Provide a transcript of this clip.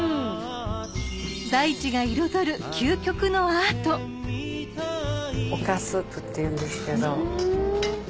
大地が彩る究極のアート丘スープっていうんですけど。